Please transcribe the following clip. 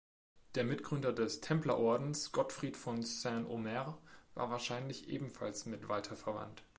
Der Mitgründer des Templerordens Gottfried von Saint-Omer war wahrscheinlich ebenfalls mit Walter verwandt.